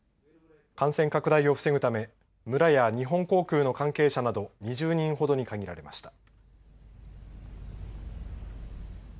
感染拡大を防ぐため村や日本航空の関係者など２０人ほどに限られました。